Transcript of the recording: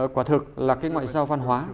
quả thực là cái ngoại giao văn hóa